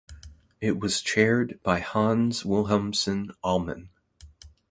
It was chaired by Hans Wilhelmsson Ahlmann.